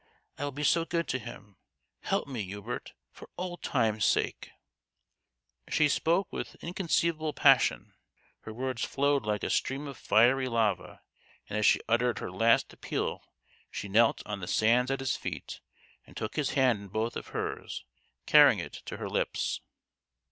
I will be so good to him ! Help me, Hubert, for old times' sake !" She spoke with inconceivable passion. Her words flowed like a stream of fiery lava ; and as she uttered her last appeal she knelt on the sands at his feet and took his hand in both of hers, carrying it to her lips.